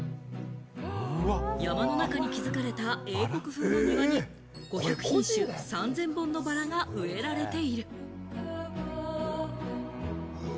山の中に築かれた英国風の庭に５００品種３０００本のバラが植えられている。